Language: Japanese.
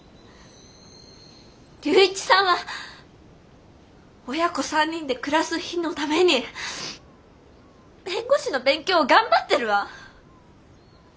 龍一さんは親子３人で暮らす日のために弁護士の勉強を頑張ってるわ！